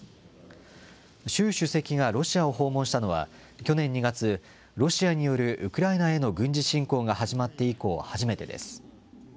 習主席がロシアを訪問したのは、去年２月、ロシアによるウクライナへの軍事侵攻が始まって以降、初めてです。